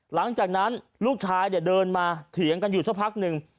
หลังจากนั้นลูกชายเนี่ยเดินมาเถียงกันอยู่สักพักหนึ่ง